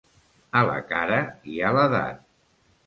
A la cara hi ha l'edat.